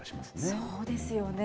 そうですよね。